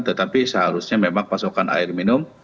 tetapi seharusnya memang pasokan air minum